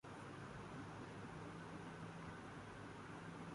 پوری دنیا میں پولیو ختم ہو گیا ہے